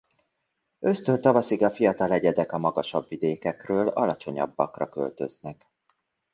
Ősztől tavaszig a fiatal egyedek a magasabb vidékekről alacsonyabbakra költöznek.